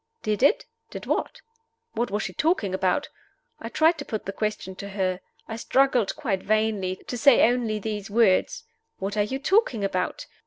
Did it? Did what? What was she talking about? I tried to put the question to her. I struggled quite vainly to say only these words: "What are you talking about?"